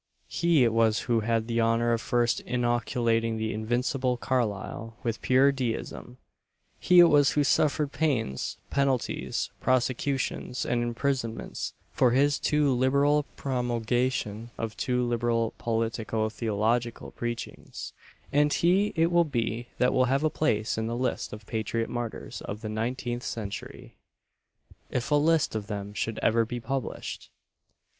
He it was who had the honour of first inoculating the invincible Carlile with pure Deism; he it was who suffered pains, penalties, prosecutions, and imprisonments for his too liberal promulgation of too liberal politico theological preachings; and he it will be that will have a place in the list of patriot martyrs of the nineteenth century if a list of them should ever be published.